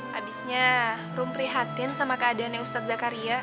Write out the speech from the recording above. habisnya rona prihatin sama keadaannya ustadz zakaria